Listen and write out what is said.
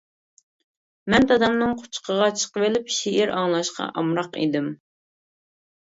مەن دادامنىڭ قۇچىقىغا چىقىۋېلىپ شېئىر ئاڭلاشقا ئامراق ئىدىم.